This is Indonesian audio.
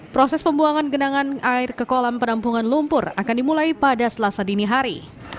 proses pembuangan genangan air ke kolam penampungan lumpur akan dimulai pada selasa dini hari